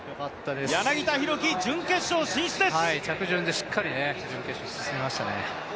柳田大輝、準決勝進出です！